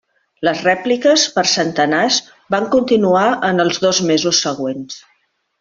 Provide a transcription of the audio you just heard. Les rèpliques, per centenars, van continuar en els dos mesos següents.